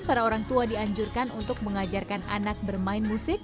para orang tua dianjurkan untuk mengajarkan anak bermain musik